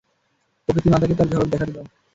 প্রকৃতিমাতাকে তার ঝলক দেখাতে দাও!